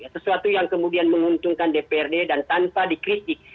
sesuatu yang kemudian menguntungkan dprd dan tanpa dikritik